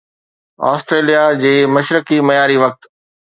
Australia جي مشرقي معياري وقت